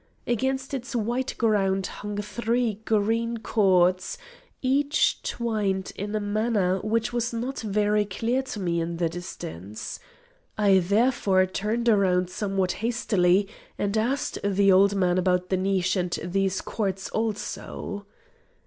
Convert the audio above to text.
Against its white ground hung three green cords, each twined in a manner which was not very clear to me in the distance. I therefore turned round somewhat hastily and asked the old man about the niche and these cords also.